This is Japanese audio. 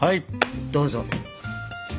どうぞ。